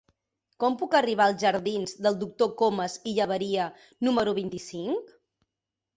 Com puc arribar als jardins del Doctor Comas i Llaberia número vint-i-cinc?